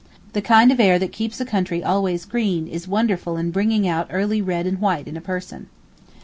The kind of air that keeps a country always green is wonderful in bringing out early red and white in a person.